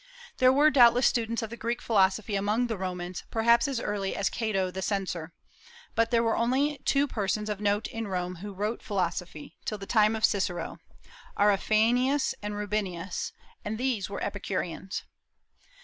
There were doubtless students of the Greek philosophy among the Romans, perhaps as early as Cato the Censor. But there were only two persons of note in Rome who wrote philosophy, till the time of Cicero, Aurafanius and Rubinus, and these were Epicureans.